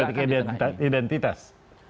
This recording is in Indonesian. pertiga menetapkan politik identitas